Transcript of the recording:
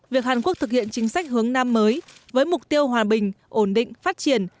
việc hàn quốc thực hiện chính sách hướng nam mới với mục tiêu hòa bình ổn định phát triển